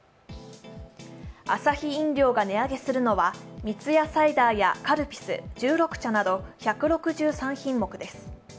アサヒ飲料が値上げするのは三ツ矢サイダーやカルピス、十六茶など１６３品目です。